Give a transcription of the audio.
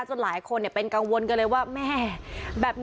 จนหลายคนเนี้ยเป็นกังวลกันเลยว่าแม่